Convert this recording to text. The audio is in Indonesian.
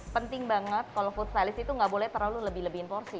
penting banget kalau food stylist itu nggak boleh terlalu lebih lebih inforsi